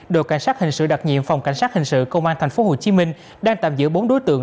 đội cảnh sát hình sự đặc nhiệm phòng cảnh sát hình sự công an tp hcm đang tạm giữ bốn đối tượng